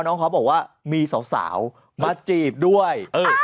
เขาบอกว่ามีสาวมาจีบด้วย